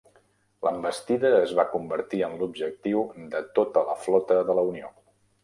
L'envestida es va convertir en l'objectiu de tota la flota de la Unió.